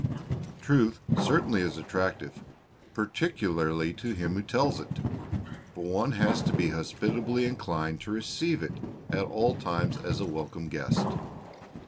Truth certainly is attractive, particularly to him who tells it, but one has to be hospitably inclined to receive it at all times as a welcome guest.